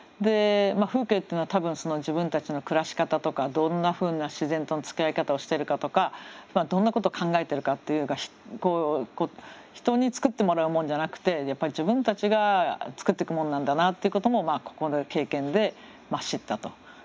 風景っていうのは多分その自分たちの暮らし方とかどんなふうな自然とのつきあい方をしてるかとかどんなことを考えてるかっていうのが人に作ってもらうもんじゃなくてやっぱり自分たちが作っていくものなんだなっていうこともここの経験で知ったと。